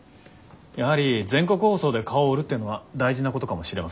やはり全国放送で顔を売るっていうのは大事なことかもしれません。